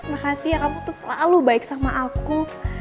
makasih ya kamu tuh selalu baik sama aku